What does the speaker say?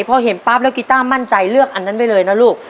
พอเห็นปั๊บแล้วกีต้ามั่นใจเลือกอันนั้นไว้เลยนะลูก